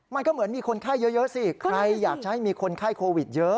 มันก็เหมือนมีคนไข้เยอะสิใครอยากจะให้มีคนไข้โควิดเยอะ